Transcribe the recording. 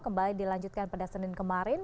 kembali dilanjutkan pada senin kemarin